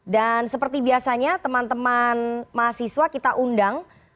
dan seperti biasanya teman teman mahasiswa kita undang